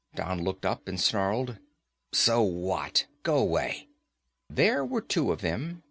Don looked up and snarled. "So what? Go away." There were two of them.